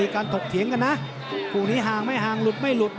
ถกเถียงกันนะคู่นี้ห่างไม่ห่างหลุดไม่หลุด